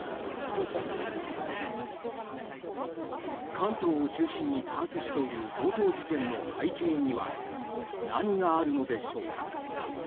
関東を中心に多発している強盗事件の背景には何があるのでしょうか。